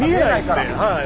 はい。